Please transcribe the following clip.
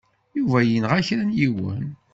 Yuba yenɣa kra n yiwen.